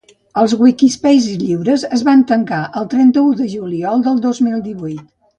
Els Wikispaces lliures es van tancar el trenta-u de juliol de dos mil divuit